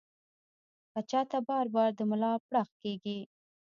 کۀ چاته بار بار د ملا پړق کيږي